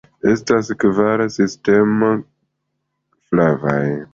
Estas kvar stamenoj, flavaj.